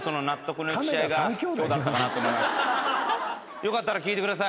よかったら聴いてください。